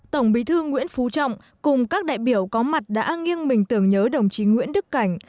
tổng bí thư nguyễn phú trọng cùng các đại biểu có mặt đã nghiêng mình tưởng nhớ đồng chí nguyễn đức cảnh